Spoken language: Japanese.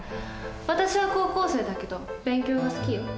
私は高校生だけど勉強が好きよ。